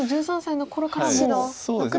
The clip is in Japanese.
１３歳の頃からもう。